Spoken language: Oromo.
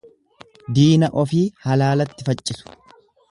Diina ofii halaalatti faccisu.